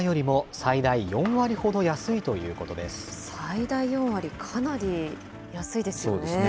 最大４割、かなり安いですよね。